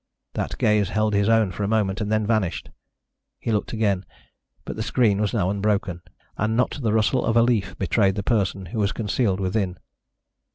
That gaze held his own for a moment, and then vanished. He looked again, but the screen was now unbroken, and not the rustle of a leaf betrayed the person who was concealed within.